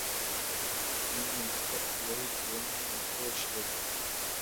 n’impinduka igira bitewe n’iyo mikoreshereze.